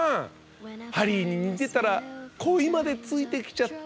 ハリーに似てたら恋までついてきちゃったってわけだな。